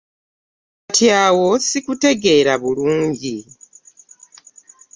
Kati awo sikutegeera bulungi.